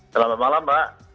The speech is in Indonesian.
selamat malam pak